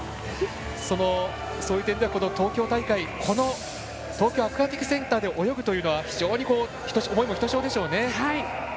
そういう点ではこの東京大会東京アクアティクスセンターで泳ぐというのは非常に思いもひとしおでしょうね。